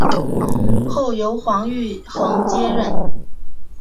后由黄玉衡接任。